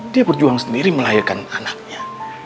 dia berjuang sendiri melahirkan anaknya